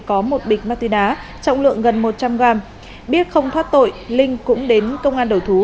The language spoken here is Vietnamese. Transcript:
có một bịch ma túy đá trọng lượng gần một trăm linh gram biết không thoát tội linh cũng đến công an đầu thú